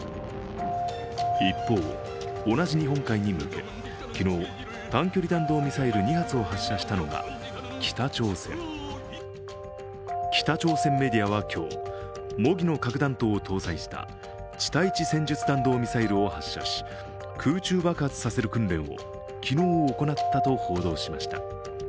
一方、同じ日本海に向け、昨日短距離弾道ミサイル２発を発射したのが北朝鮮北朝鮮メディアは今日、模擬の核弾頭を搭載した地対地戦術弾道ミサイルを発射し、空中爆発させる訓練を昨日行ったと報じました。